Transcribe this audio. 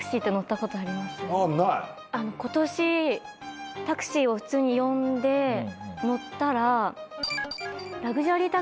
ことしタクシーを普通に呼んで乗ったら。